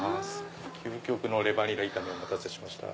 究極のレバにら炒めお待たせしました。